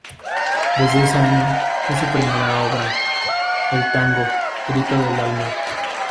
De ese año es su primera obra: el tango "Grito del alma".